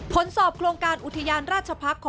ผลสอบโครงการอุทยานราชพักษ์